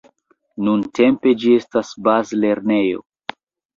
Nuntempe ĝi estas bazlernejo.